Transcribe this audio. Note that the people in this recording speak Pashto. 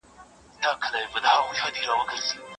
که مخکي ولاړ نه سی نو په علم کي به شاته پاته سي.